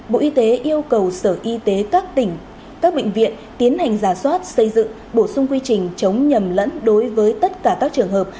bộ y tế yêu cầu sở y tế các tỉnh các bệnh viện tiến hành giả soát xây dựng bổ sung quy trình chống nhầm lẫn đối với tất cả các trường hợp